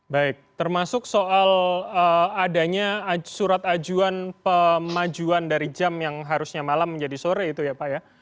baik termasuk soal adanya surat ajuan pemajuan dari jam yang harusnya malam menjadi sore itu ya pak ya